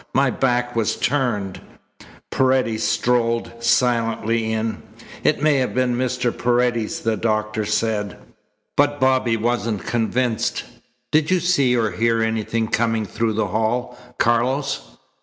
My back was turned." Paredes strolled silently in. "It may have been Mr. Paredes," the doctor said. But Bobby wasn't convinced. "Did you see or hear anything coming through the hall, Carlos?"